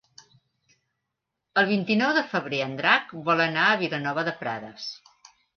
El vint-i-nou de febrer en Drac vol anar a Vilanova de Prades.